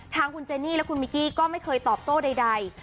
ทางคุณเจนี่และคุณมิกกี้ก็ไม่เคยตอบโต้ใด